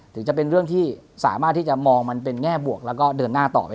ถึงจะเป็นเรื่องที่สามารถที่จะมองมันเป็นแง่บวกแล้วก็เดินหน้าต่อไป